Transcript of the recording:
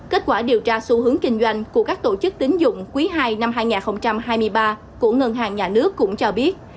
kết quả điều tra xu hướng kinh doanh của các tổ chức tín dụng quý ii năm hai nghìn hai mươi ba của ngân hàng nhà nước cũng cho biết